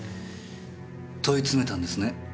問い詰めたんですね？